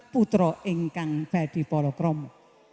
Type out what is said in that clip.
putro engkang badi polokromo